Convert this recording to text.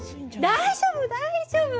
大丈夫大丈夫！